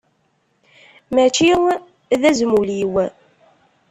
Mačči d azmul-iw.